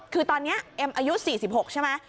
คือตอนนี้เอ็มอายุ๔๖ใช่ไหม